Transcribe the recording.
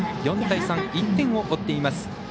４対３、１点を追っています。